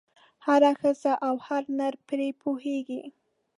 هره ښځه او هر نر پرې پوهېږي.